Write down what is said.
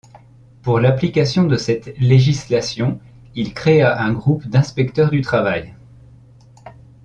Pour l'application de cette législation, il créa un groupe d'inspecteurs du travail.